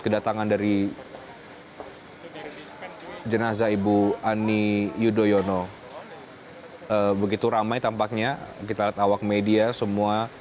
karena memang pesawat hercules